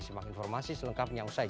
simak informasi selengkapnya usai